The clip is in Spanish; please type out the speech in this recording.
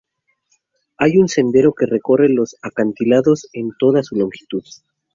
Hay un sendero que recorre los acantilados en toda su longitud.